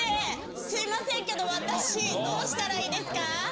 すいませんけど私どうしたらいいですか？